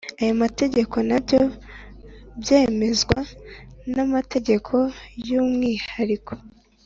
aya mategeko nabyo byemezwa n amategeko y umwihariko